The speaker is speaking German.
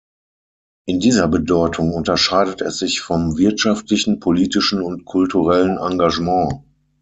In dieser Bedeutung unterscheidet es sich vom wirtschaftlichen, politischen und kulturellen Engagement.